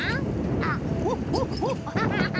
アッホッホッホッホハハハ。